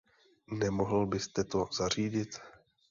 Nemohl byste to zařídit?